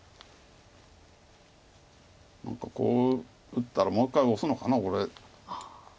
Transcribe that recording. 何かこう打ったらもう１回オスのかなこれ。